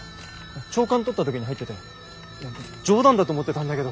朝刊取った時に入ってて冗談だと思ってたんだけど。